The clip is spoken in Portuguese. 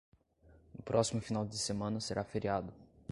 No próximo final de semana será feriado.